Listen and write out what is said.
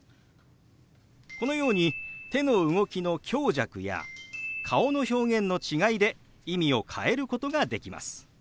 このように手の動きの強弱や顔の表現の違いで意味を変えることができます。